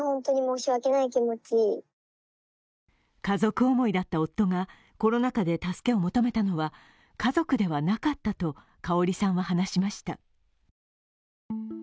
家族思いだった夫が、コロナ禍で助けを求めたのは家族ではなかったと、かおりさんは話しました。